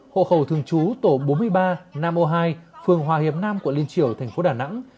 hộ khẩu thường trú tại tổ bốn mươi ba nam o hai phường hòa hiệp nam quận liên triểu tp đà nẵng